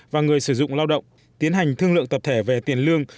và người sử dụng lao động tiến hành thương lượng tập thể về tiền lương